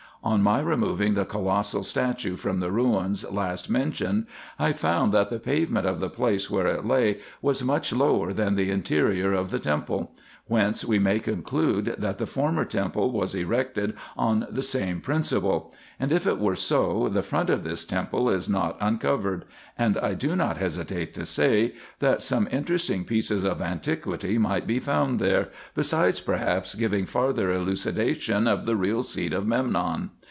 On my removing the colossal statue from the ruins last mentioned, I found that the pavement of the place where it lay was much lower than the interior of the temple ; whence we may conclude that the former temple was erected on the same principle ; and if it were so, the front of this temple is not uncovered; and I do not hesitate to say, that some interesting pieces of antiquity might be found there, beside perhaps giving farther elucidation of the real seat of Memnon.